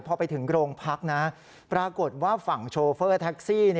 พอไปถึงโรงพักนะปรากฏว่าฝั่งโชเฟอร์แท็กซี่